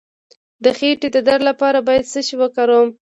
د خیټې د درد لپاره باید څه شی وکاروم؟